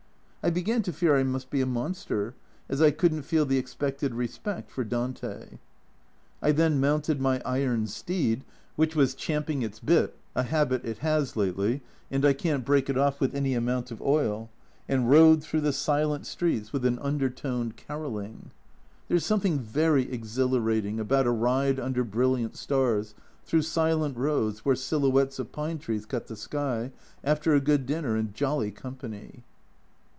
I began to fear I must be a monster, as I couldn't feel the expected respect for Dante. A Journal from Japan I then mounted my iron steed which was champ ing its bit, a habit it has lately, and I can't break it off with any amount of oil and rode through the silent streets with an undertoned caroling. There is something very exhilarating about a ride under brilliant stars, through silent roads where silhouettes of pine trees cut the sky after a good dinner and jolly company.